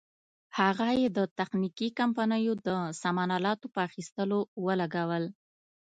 هغه یې د تخنیکي کمپنیو د سامان الاتو په اخیستلو ولګول.